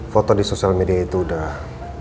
foto di sosial media itu udah